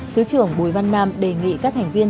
thứ trưởng bùi văn nam đề nghị các thành viên